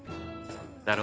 だろ？